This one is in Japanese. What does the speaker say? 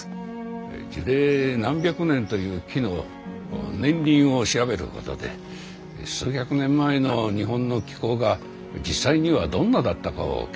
樹齢何百年という木の年輪を調べることで数百年前の日本の気候が実際にはどんなだったかを研究してるんです。